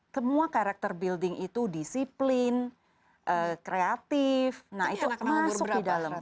semua karakter building itu disiplin kreatif nah itu masuk di dalam